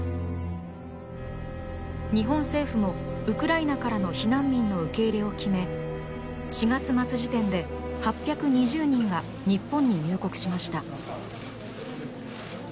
日本政府もウクライナからの避難民の受け入れを決め４月末時点で８２０人が日本に入国しました。